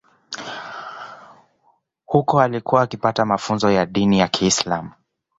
Huko alikuwa akipata mafunzo ya dini ya Kiislam